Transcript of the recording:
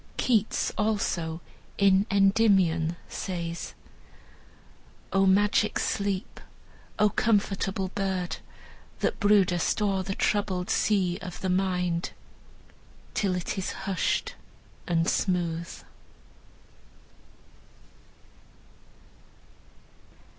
Keats, also, in "Endymion," says: "O magic sleep! O comfortable bird That broodest o'er the troubled sea of the mind Till it is hushed and smooth."